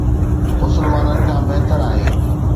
مسلمانن کان بهتر آهي